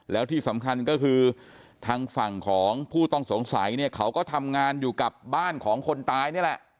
แล้วที่สำคัญก็คือทางฝั่งของผู้ต้องสงสัยเนี่ยเขาก็ทำงานอยู่กับบ้านของคนตายนี่แหละ